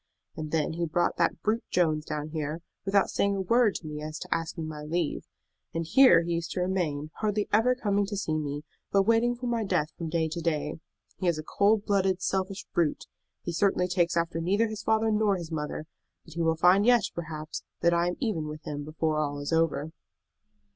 And then he brought that brute Jones down here, without saying a word to me as to asking my leave. And here he used to remain, hardly ever coming to see me, but waiting for my death from day to day. He is a cold blooded, selfish brute. He certainly takes after neither his father nor his mother. But he will find yet, perhaps, that I am even with him before all is over."